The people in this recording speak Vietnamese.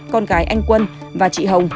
con gái anh quân và chị hồng